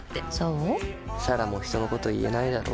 彩良も人のこと言えないだろ。